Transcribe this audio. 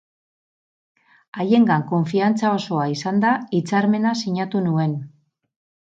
Haiengan konfiantza osoa izanda, hitzarmena sinatu nuen.